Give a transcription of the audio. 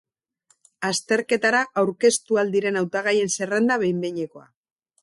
Azterketara aurkeztu ahal diren hautagaien zerrenda behin-behinekoa.